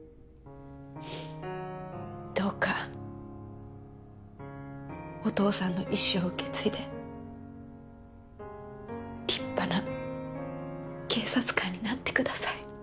どうかお父さんの遺志を受け継いで立派な警察官になってください。